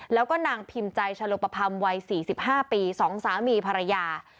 แล้วก็นางพิมพ์ใจชะโลปะพรรมวัยสี่สิบห้าปีสองสามีภรรยา